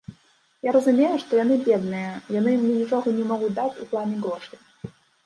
Я разумею, што яны бедныя, яны мне нічога не могуць даць у плане грошай.